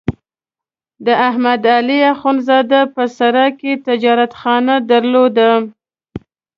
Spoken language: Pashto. د احمد علي اخوندزاده په سرای کې تجارتخانه درلوده.